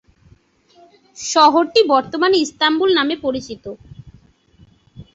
শহরটি বর্তমানে ইস্তানবুল নামে পরিচিত।